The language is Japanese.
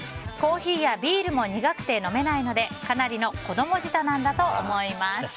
コーヒーやビールも苦くて飲めないのでかなりの子供舌なんだと思います。